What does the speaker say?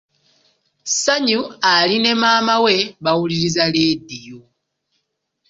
Ssanyu ali ne maama we bawuliriza leediyo.